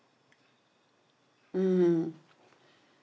うん。